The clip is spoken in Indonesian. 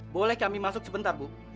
boleh kami masuk sebentar bu